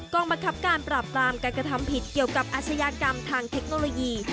กรรมบังคับการปราบปรามการกระทำผิดเกี่ยวกับอาชญากรรมทางเทคโนโลยี